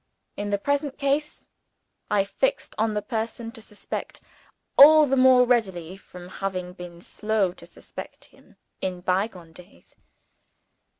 In the present case, I fixed on the person to suspect all the more readily from having been slow to suspect him in bygone days.